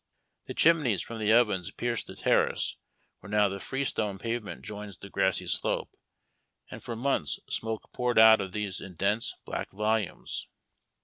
The chimneys from the ovens pierced the terrace where now the freestone pavement joins the grassy slope, and for months smoke poured out of these in dense black volumes.